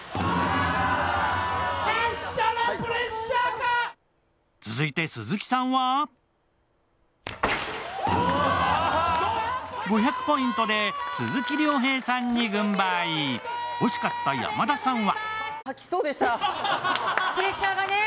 最初のプレッシャーか続いて鈴木さんは５００ポイントで鈴木亮平さんに軍配惜しかった山田さんは吐きそうでしたプレッシャーがね